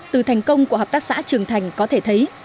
từ thành công của hợp tác xã trường thành có thể thấy